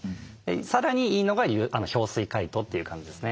さらにいいのが氷水解凍という感じですね。